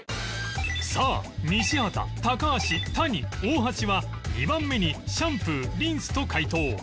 さあ西畑高橋谷大橋は２番目にシャンプー・リンスと解答